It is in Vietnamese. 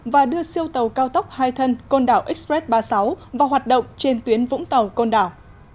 và đưa siêu tàu cao tốc hai thân côn đảo express ba mươi sáu vào hoạt động trên tuyến vũng tàu côn đảo